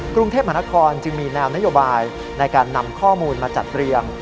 กรุงเทพมหานครจึงมีแนวนโยบายในการนำข้อมูลมาจัดเรียง